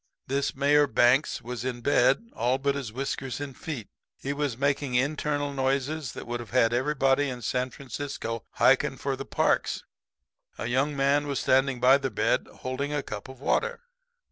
"This Mayor Banks was in bed all but his whiskers and feet. He was making internal noises that would have had everybody in San Francisco hiking for the parks. A young man was standing by the bed holding a cup of water.